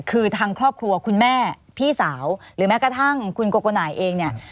คือทางครอบครัวคุณแม่พี่สาวหรือแม้กระทั่งคุณโกโกนายเองเนี่ย